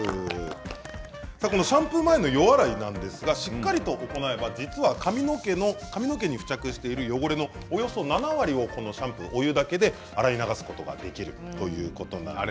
このシャンプー前の予洗いですがしっかりと行えば実は髪の毛に付着している汚れのおよそ７割をお湯だけで洗い流すことができるということなんです。